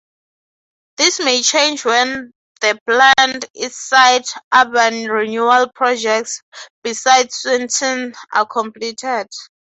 This may change when the planned "Eastside" urban renewal projects beside Sneinton are completed.